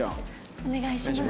お願いします。